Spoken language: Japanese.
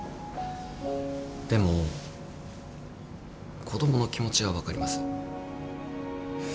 でも子供の気持ちは分かります。